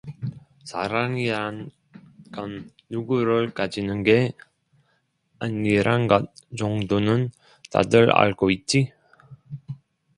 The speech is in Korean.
사랑이란 건 누구를 가지는 게 아니란 것 정도는 다들 알고 있지?